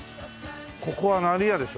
ここは何屋でしょう？